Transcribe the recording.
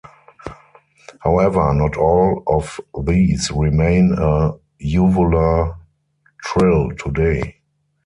However, not all of these remain a uvular trill today.